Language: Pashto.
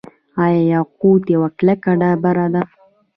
آیا یاقوت یوه کلکه ډبره ده؟